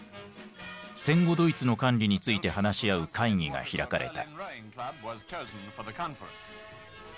戦後ドイツの管理について話し合う会議が開かれた。